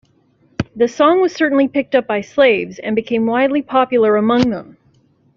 The song was certainly picked up by slaves and became widely popular among them.